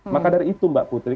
maka dari itu mbak putri